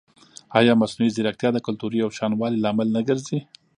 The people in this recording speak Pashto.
ایا مصنوعي ځیرکتیا د کلتوري یوشان والي لامل نه ګرځي؟